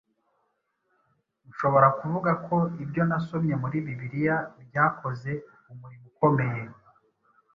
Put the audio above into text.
Nshobora kuvuga ko ibyo nasomye muri Bibiliya byakoze Umurimo ukomeye